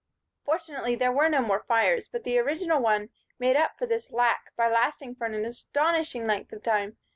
Fortunately, there were no more fires; but the original one made up for this lack by lasting for an astonishing length of time.